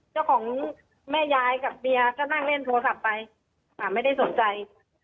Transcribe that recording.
เจ้าของแม่ยายกับเบียร์ก็นั่งเล่นโทรศัพท์ไปไม่ได้สนใจ